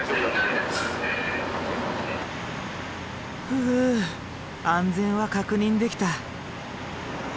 ふぅ安全は確認できた。